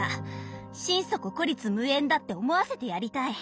心底孤立無援だって思わせてやりたい。